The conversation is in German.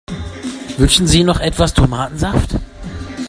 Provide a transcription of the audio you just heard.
Wünschen Sie noch etwas Tomatensaft?